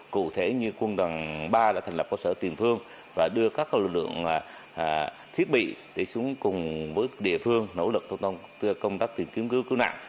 cụ thể như quân đoàn ba đã thành lập các sở tiền phương và đưa các lực lượng thiết bị để xuống cùng với địa phương nỗ lực công tác tìm kiếm cứu nạn